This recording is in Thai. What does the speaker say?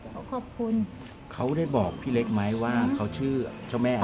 เขาขอบคุณเขาได้บอกพี่เล็กไหมว่าเขาชื่อเจ้าแม่